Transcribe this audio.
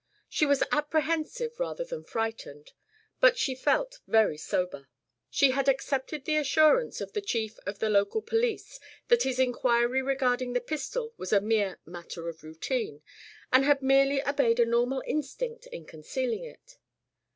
She was apprehensive rather than frightened, but she felt very sober. She had accepted the assurance of the chief of the local police that his inquiry regarding the pistol was a mere matter of routine, and had merely obeyed a normal instinct in concealing it.